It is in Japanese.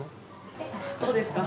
どうですか？